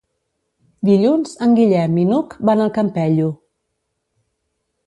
Dilluns en Guillem i n'Hug van al Campello.